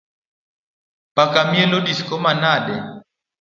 Paka mielo disko manade?